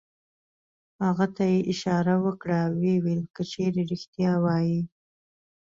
هغه ته یې اشاره وکړه او ویې ویل: که چېرې رېښتیا وایې.